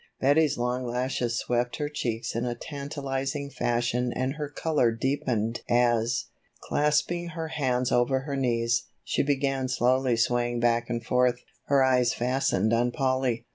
Betty's long lashes swept her cheeks in a tantalizing fashion and her color deepened as, clasping her hands over her knees, she began slowly swaying back and forth, her eyes fastened on Polly.